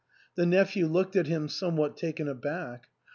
The nephew looked at him somewhat taken aback.